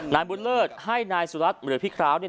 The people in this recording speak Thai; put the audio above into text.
นายบุญเลิศให้นายสุรัตน์หรือพี่คร้าวเนี่ย